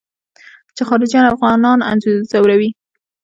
چې خارجيان افغانان ځوروي.